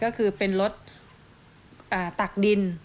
ก็คือเป็นรถตักดิน